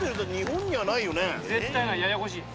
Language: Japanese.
絶対ないややこしい。